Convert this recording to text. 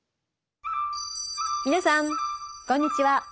皆さんこんにちは。